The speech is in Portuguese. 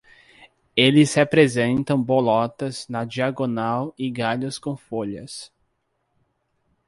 Eles representam bolotas na diagonal e galhos com folhas.